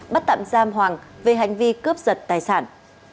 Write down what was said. bắt tạm giam hoàng về hành vi cướp giật tài sản